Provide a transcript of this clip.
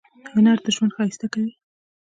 هنر ژوند ښایسته کوي